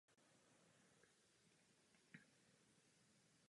Zvítězila v šesti finálových zápasech Grand Slamu z osmnácti odehraných.